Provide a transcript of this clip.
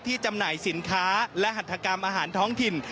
จำหน่ายสินค้าและหัตถกรรมอาหารท้องถิ่น